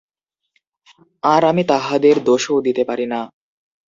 আর আমি তাহাদের দোষও দিতে পারি না।